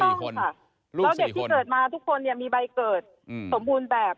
แล้วเด็กที่เกิดมาทุกคนมีใบเกิดสมบูรณ์แบบ